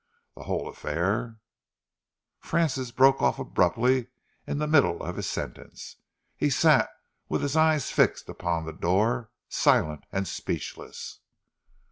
The whole affair " Francis broke off abruptly in the middle of his sentence. He sat with his eyes fixed upon the door, silent and speechless.